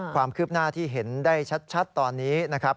ความคืบหน้าที่เห็นได้ชัดตอนนี้นะครับ